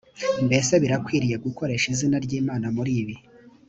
mbese birakwiriye gukoresha izina ry imana muri ibi?